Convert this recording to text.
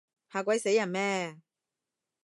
嚇鬼死人咩？